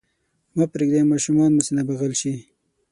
مه پرېږدئ ماشومان مو سینه بغل شي.